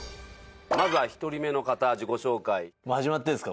まずは１人目の方自己紹介。